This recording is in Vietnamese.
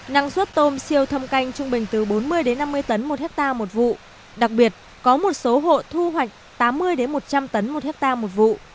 năng suất tôm siêu thâm canh trung bình từ bốn mươi đến năm mươi tấn một ha một vụ đặc biệt có một số hộ thu hoạch tám mươi đến một trăm linh tấn một ha một vụ